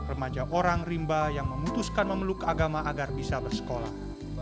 remaja orang rimba yang memutuskan memeluk agama agar bisa bersekolah